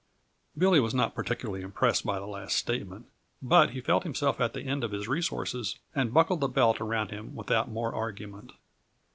Billy was not particularly impressed by the last statement, but he felt himself at the end of his resources and buckled the belt around him without more argument.